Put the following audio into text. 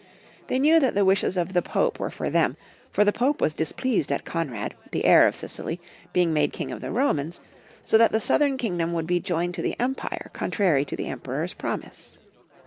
They knew that the wishes of the Pope were for them, for the Pope was displeased at Konrad, the heir of Sicily, being made king of the Romans, so that the southern kingdom would be joined to the empire, contrary to the Emperor's promise.